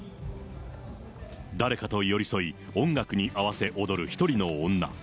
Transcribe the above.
誰かと寄り添い、音楽に合わせ踊る１人の女。